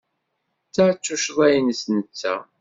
Ta d tuccḍa-nnes netta.